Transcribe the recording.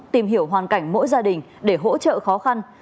tìm hiểu hoàn cảnh mỗi gia đình để hỗ trợ khó khăn